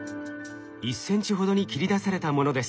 １ｃｍほどに切り出されたものです。